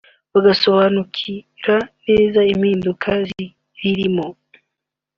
bagasobanukira neza impinduka ziririmo